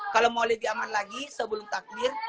kalau mau lagi aman lagi sebelum takbir